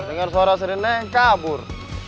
dengar suara seringnya kabur